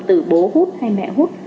từ bố hút hay mẹ hút